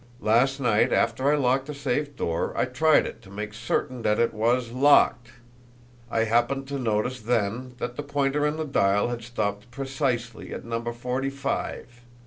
"Last night after I locked the safe door I tried it to make certain that it was locked. I happened to notice then that the pointer on the dial had stopped precisely at number forty five.